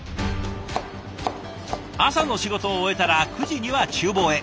朝の仕事を終えたら９時にはちゅう房へ。